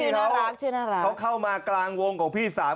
ดูดกันกับแก้ม